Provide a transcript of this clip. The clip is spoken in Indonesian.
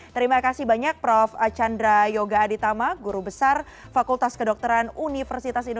terima kasih banyak prof chandra yoga aditama guru besar fakultas kedokteran universitas